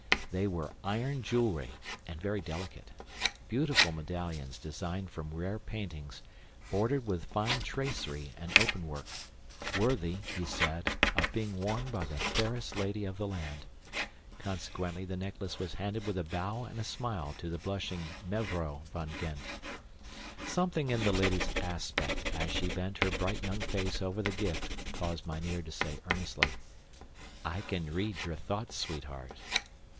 They were IRON JEWELRY, and very delicate beautiful medallions designed from rare paintings, bordered with fine tracery and open work worthy, he said, of being worn by the fairest lady of the land. Consequently the necklace was handed with a bow and a smile to the blushing Mevrouw van Gend. Something in the lady's aspect, as she bent her bright young face over the gift, caused mynheer to say earnestly, "I can read your thoughts, sweetheart."